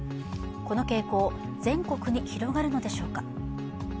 この傾向全国に広がるのでしょうか。